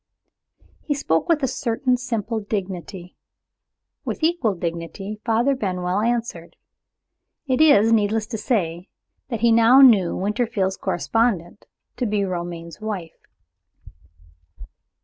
He spoke with a certain simple dignity. With equal dignity, Father Benwell answered. It is needless to say that he now knew Winterfield's correspondent to be Romayne's wife.